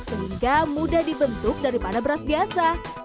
sehingga mudah dibentuk daripada beras biasa